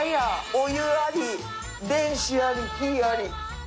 お湯あり電子あり火あり。